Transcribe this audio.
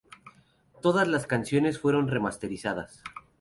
Todas las canciones fueron remasterizadas.